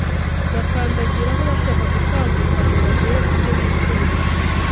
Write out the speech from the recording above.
bakandagiraho bashaka gutambuka ngo bagere ku byo bifuza.